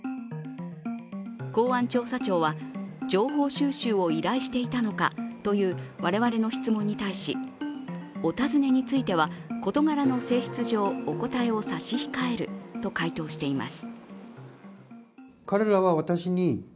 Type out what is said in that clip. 公安調査庁は情報収集を依頼していたのかという我々の質問に対し、お尋ねについては事柄の性質上、お答えを差し控えると回答しています。